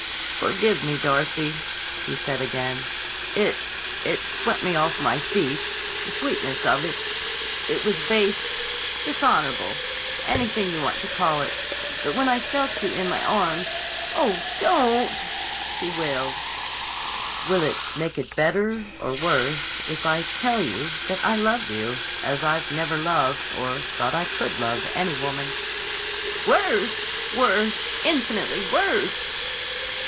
"Forgive me, Darcy," he said again. "It—it swept me off my feet—the sweetness of it. It was base—dishonorable—anything you want to call it; but when I felt you in my arms—" "Oh, don't!" she wailed. "Will it make it better or worse if I tell you that I love you as I never loved or thought I could love any woman?" "Worse! Worse! Infinitely worse!"